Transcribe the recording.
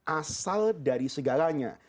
asal dari segalanya